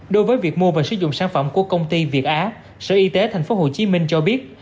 đối với việc mua và sử dụng sản phẩm của công ty việt á sở y tế tp hcm cho biết